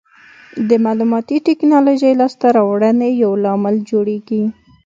د معلوماتي ټکنالوژۍ لاسته راوړنې یو لامل جوړوي.